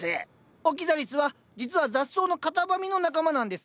オキザリスは実は雑草のカタバミの仲間なんです。